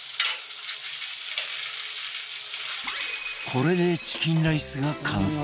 これで、チキンライスが完成